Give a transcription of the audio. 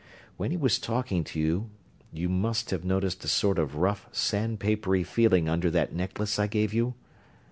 When he was talking to you you must have noticed a sort of rough, sandpapery feeling under that necklace I gave you?